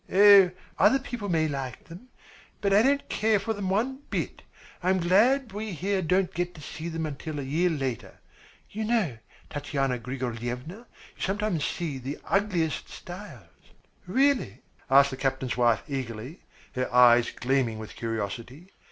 "Other people may like them, but I don't care for them one bit. I am glad we here don't get to see them until a year later. You know, Tatyana Grigoryevna, you sometimes see the ugliest styles." "Really?" asked the captain's wife eagerly, her eyes gleaming with curiosity.